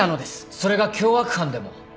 それが凶悪犯でも？